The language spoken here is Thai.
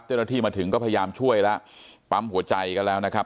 เจ้าหน้าที่มาถึงก็พยายามช่วยแล้วปั๊มหัวใจกันแล้วนะครับ